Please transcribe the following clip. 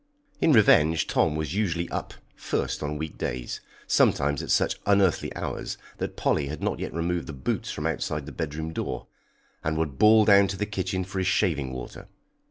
In revenge, Tom was usually up first on week days, sometimes at such unearthly hours that Polly had not yet removed the boots from outside the bedroom door, and would bawl down to the kitchen for his shaving water.